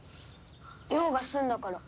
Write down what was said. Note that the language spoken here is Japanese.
用が済んだから。